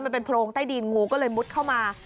เป็นโพรงใต้ดินงูก็มุดเข้ามา